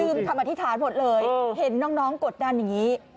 คำอธิษฐานหมดเลยเห็นน้องกดดันอย่างนี้